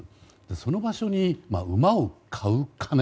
その場所に、馬を買う金。